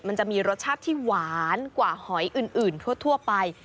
มันจะมีรสชาติที่หวานกว่าหอยอื่นทั่วไป